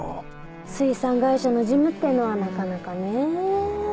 水産会社の事務ってのはなかなかね。